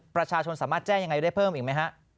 ประชาชนสามารถแจ้งยังไงได้เพิ่มอีกไหมฮะ